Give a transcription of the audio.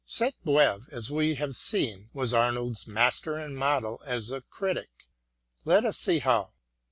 Sainte Beuve, as we have seen, was Arnold's master and model as a critic. Let us see how.